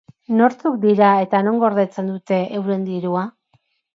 Nortzuk dira eta non gordetzen dute euren dirua?